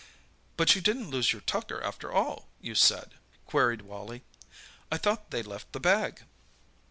"But you didn't lose your tucker after all, you said?" queried Wally. "I thought they left the bag?"